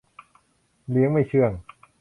เลี้ยงไม่เชื่อง